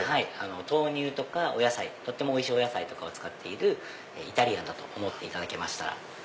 豆乳とかとってもおいしいお野菜とかを使っているイタリアンだと思っていただけましたら。